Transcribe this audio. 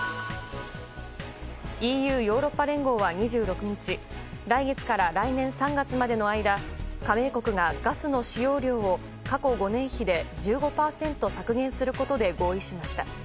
ＥＵ・ヨーロッパ連合は２６日来月から来年３月までの間加盟国がガスの使用量を過去５年比で１５％削減することで合意しました。